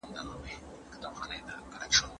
پاڼه باید د ونې لپاره یو څه وکړي.